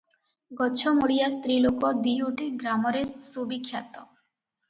ଗଛମୁଳିଆ ସ୍ତ୍ରୀଲୋକ ଦିଓଟି ଗ୍ରାମରେ ସୁବିଖ୍ୟାତ ।